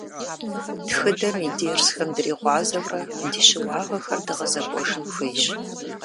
Тхыдэм и дерсхэм дригъуазэурэ ди щыуагъэхэр дгъэзэкӏуэжын хуейщ.